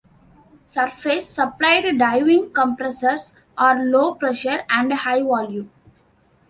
Surface supplied diving compressors are low-pressure and high-volume.